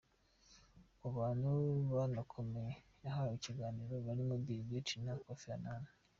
Mu bantu banakomeye yahaye ikiganiro harimo Bill Gates na Kofi Annan.